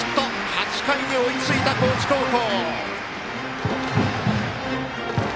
８回に追いついた高知高校！